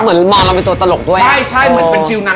เหมือนมองเราเป็นตัวตลกด้วยใช่ใช่เหมือนเป็นฟิลนั้น